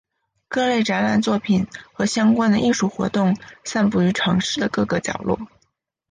各类展览作品和相关的艺术活动散布于城市的各个角落。